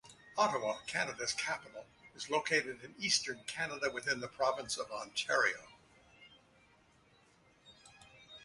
Ottawa, Canada's capital, is located in Eastern Canada, within the province of Ontario.